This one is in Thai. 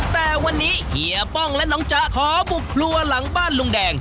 แต่วันนี้เฮียป้องและน้องจ๊ะขอบุกครัวหลังบ้านลุงแดง